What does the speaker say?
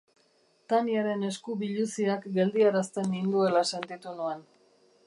Taniaren esku biluziak geldiarazten ninduela sentitu nuen.